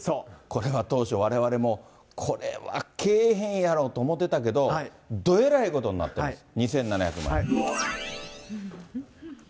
これは当初われわれも、これはけえへんやろと思ってたけど、どえらいことになってます。